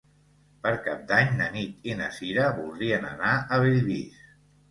Per Cap d'Any na Nit i na Cira voldrien anar a Bellvís.